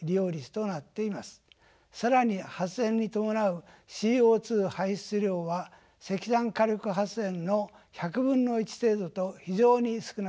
更に発電に伴うＣＯ排出量は石炭火力発電の１００分の１程度と非常に少なくなっています。